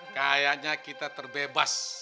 kayaknya kita terbebas